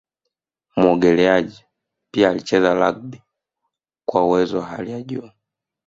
Muogeleaji pia alicheza rugby kwa uwezo wa hali ya juu